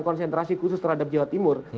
konsentrasi khusus terhadap jawa timur